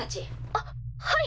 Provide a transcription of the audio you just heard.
あっはい。